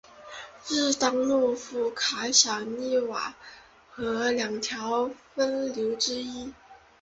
日当诺夫卡小涅瓦河两条分流之一。